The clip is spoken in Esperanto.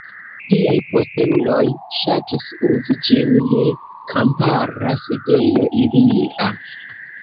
Liaj posteuloj ŝatis uzi ĝin je kampara sidejo ilia.